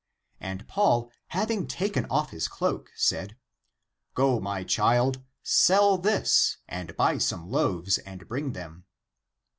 And Paul, having taken off his cloak, said, " Go, my child, sell this and buy some loaves and bring them."